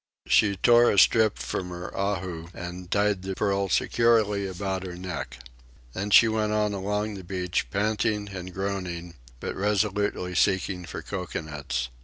She tore a strip from her ahu and tied the pearl securely about her neck. Then she went on along the beach, panting and groaning, but resolutely seeking for cocoanuts.